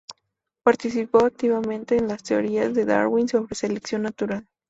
Participó activamente en las teorías de Darwin sobre selección natural.